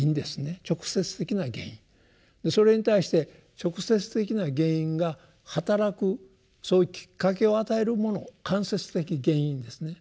それに対して直接的な原因がはたらくそういうきっかけを与えるもの間接的原因ですね。